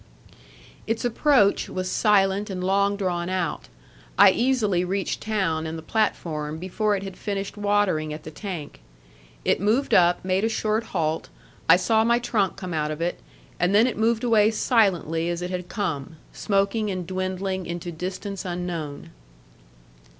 Its approach was silent and long drawn out. I easily reached town and the platform before it had finished watering at the tank. It moved up, made a short halt, I saw my trunk come out of it, and then it moved away silently as it had come, smoking and dwindling into distance unknown.